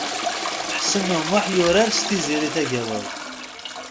Ḥsen U Muḥ yurar s Tiziri Tagawawt.